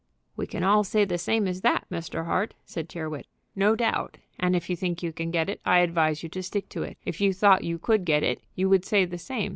"We can all say the same as that, Mr. Hart," said Tyrrwhit. "No doubt. And if you think you can get it, I advise you to stick to it. If you thought you could get it you would say the same.